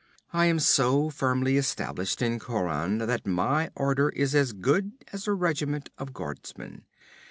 I am so firmly established in Khauran that my order is as good as a regiment of guardsmen.